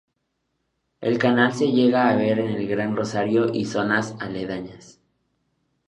El canal se llega a ver en el Gran Rosario y zonas aledañas.